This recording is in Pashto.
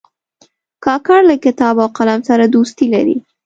کاکړ له کتاب او قلم سره دوستي لري.